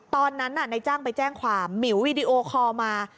ตอนนั้นนายจ้างไปแจ้งความหมิววีดีโอคอลมา